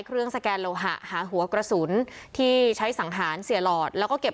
สแกนโลหะหาหัวกระสุนที่ใช้สังหารเสียหลอดแล้วก็เก็บ